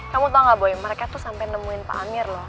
kamu tau gak boy mereka tuh sampai nemuin pak amir loh